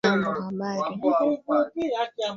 Jambo ! habari?